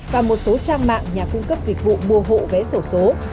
và một số trang mạng nhà cung cấp dịch vụ mua hộ vé sổ số